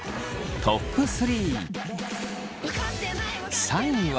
トップ３。